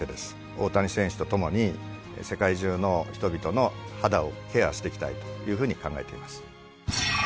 大谷選手と共に世界中の人々の肌をケアしていきたいというふうに考えています。